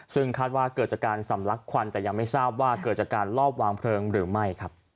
ซึ่งคาดว่าเกิดจากการสำลักควันแต่ยังไม่ทราบว่าเกิดจากการลอบวางเพลิงหรือไม่